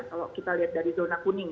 kalau kita lihat dari zona kuning